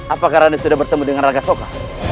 apakah raden sudah bertemu dengan raga sokha